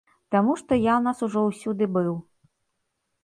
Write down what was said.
Таму што я ў нас ужо ўсюды быў.